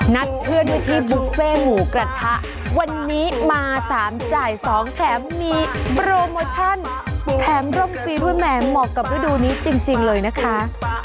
นัดเพื่อด้วยที่บุฟเฟ่หมูกระทะวันนี้มาสามจ่ายสองแข็มมีโปรโมชั่นแข็มร่มฟรีฟุ้นแหมงเหมาะกับฤดูนี้จริงจริงเลยนะคะ